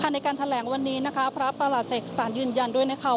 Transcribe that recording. ในการแถลงวันนี้นะคะพระประหลาเสกสารยืนยันด้วยนะคะ